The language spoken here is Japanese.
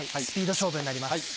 スピード勝負になります。